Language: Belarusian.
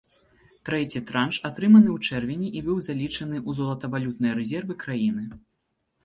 Трэці транш атрыманы ў чэрвені і быў залічаны ў золатавалютныя рэзервы краіны.